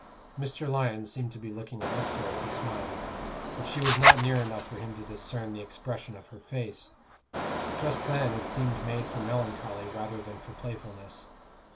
Mr. Lyon seemed to be looking at Esther as he smiled, but she was not near enough for him to discern the expression of her face. Just then it seemed made for melancholy rather than for playfulness.